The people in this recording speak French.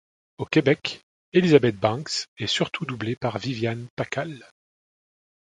Au Québec, Elizabeth Banks est surtout doublée par Viviane Pacal.